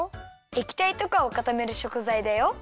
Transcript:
えきたいとかをかためるしょくざいだよ。